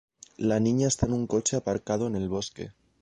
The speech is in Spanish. La niña está en un coche aparcado en el bosque.